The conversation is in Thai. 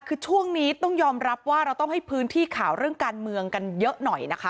คือช่วงนี้ต้องยอมรับว่าเราต้องให้พื้นที่ข่าวเรื่องการเมืองกันเยอะหน่อยนะคะ